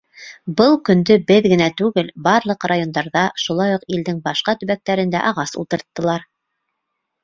Был көндө беҙ генә түгел, барлыҡ райондарҙа, шулай уҡ илдең башҡа төбәктәрендә ағас ултырттылар.